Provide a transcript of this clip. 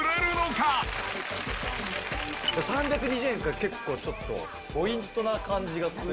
３２０円が結構ちょっとポイントな感じがする。